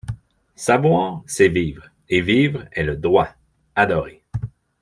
Savoir, c’est vivre ; et vivre est le droit. Adorer